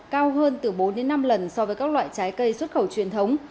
cao hơn từ bốn năm lần so với các loại trái cây xuất khẩu truyền thống